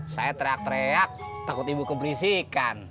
saya teriak teriak takut ibu keberisikan